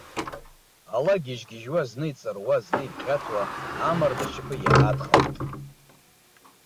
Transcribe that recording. Ала гьежьгьежьуа зны иҵаруа, зны ибӷьаҭуа, амарда ашьапы иаадхалт.